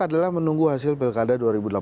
adalah menunggu hasil pilkada dua ribu delapan belas